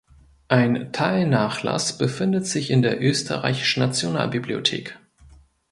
Ein Teilnachlass befindet sich in der Österreichischen Nationalbibliothek.